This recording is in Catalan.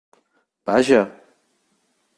Vaja!